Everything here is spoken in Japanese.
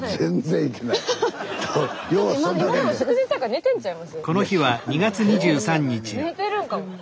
寝てるんかも。